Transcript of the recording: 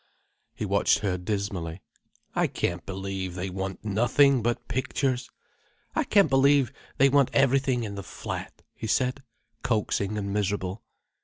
He watched her dismally. "I can't believe they want nothing but pictures. I can't believe they want everything in the flat," he said, coaxing and miserable.